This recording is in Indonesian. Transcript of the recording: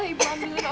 ibu ambilkan obat